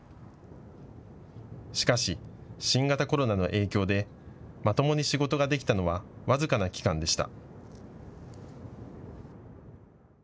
しかし、新型コロナの影響でまともに仕事ができたのは僅かな期間でした。